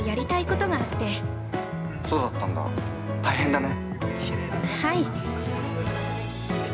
◆そうだったんだ、大変だね。